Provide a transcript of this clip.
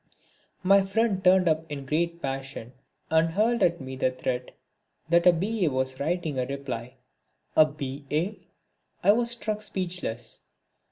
My friend turned up in a great passion and hurled at me the threat that a B.A. was writing a reply. A B.A.! I was struck speechless.